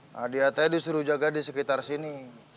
nah dia saya disuruh jaga di sekitar sini